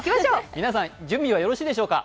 皆さん準備はよろしいでしょうか。